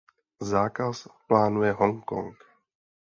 Zákaz plánuje Hongkong.